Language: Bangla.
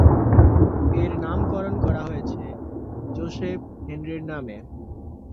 এর নামকরণ করা হয়েছে জোসেফ হেনরির নামে।